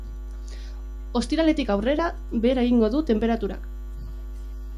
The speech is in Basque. Ostiraletik aurrera, behera egingo du tenperaturak.